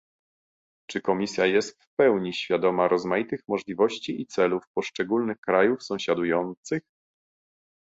czy Komisja jest w pełni świadoma rozmaitych możliwości i celów poszczególnych krajów sąsiadujących